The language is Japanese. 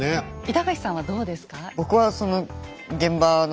板垣さんはどうですか？